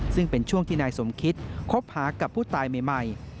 ซึ่งเป็นช่วงที่นายสมคิตคบหากับผู้ตายใหม่